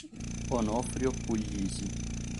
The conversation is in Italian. Onofrio Puglisi